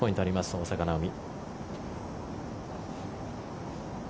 大坂なおみ。